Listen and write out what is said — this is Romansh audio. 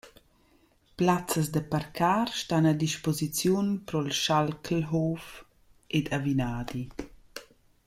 Plazzas da parcar stan a disposiziun pro’l Schalklhof ed a Vinadi.